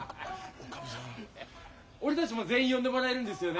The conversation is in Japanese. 俺たちも全員呼んでもらえるんですよね？